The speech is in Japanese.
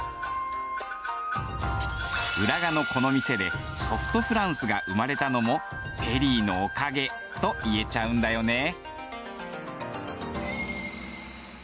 浦賀のこの店でソフトフランスが生まれたのもペリーのおかげと言えちゃうんだよねぇ。